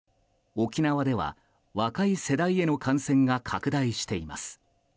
沖縄では若い世代への感染が拡大しています。